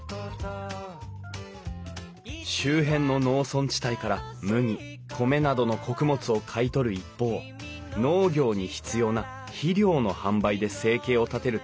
周辺の農村地帯から麦米などの穀物を買い取る一方農業に必要な肥料の販売で生計を立てる問屋が多かった。